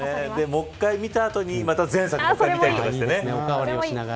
もう１回見た後にまた前作見たりしてね。